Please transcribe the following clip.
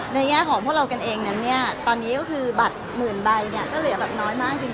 แง่ของพวกเรากันเองนั้นเนี่ยตอนนี้ก็คือบัตรหมื่นใบเนี่ยก็เหลือแบบน้อยมากจริง